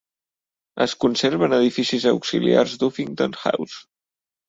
Es conserven edificis auxiliars d'Uffington House.